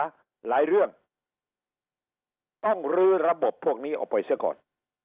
ระเบียบล่ะหลายเรื่องราศนีย์ต้องรื้อระบบพวกนี้อาวุธก่อน